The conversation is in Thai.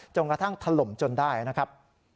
กระทั่งถล่มจนได้นะครับ